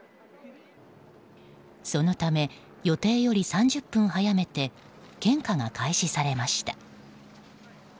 そのため、予定より３０分早めて献花が開始されました。